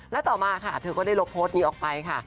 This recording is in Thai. และต่อมาค่ะเธอก็ได้ลบโพสต์นี้ออกไปค่ะ